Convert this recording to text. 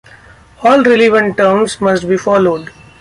All relevant terms must be followed.